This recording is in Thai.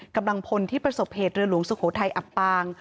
กำลังพลที่ประสบเหตุเรือหลวงสุโขทัยอับปาง